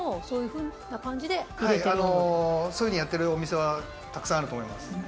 そういうふうにやってるお店はたくさんあると思います。